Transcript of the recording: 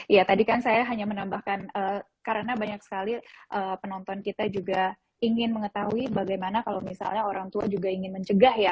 ya tadi kan saya hanya menambahkan karena banyak sekali penonton kita juga ingin mengetahui bagaimana kalau misalnya orang tua juga ingin mencegah ya